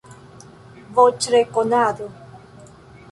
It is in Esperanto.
Voĉrekonado